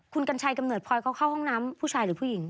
คุณกัญชัยกำเนิดพลอยเขาเข้าห้องน้ำผู้ชายหรือผู้หญิง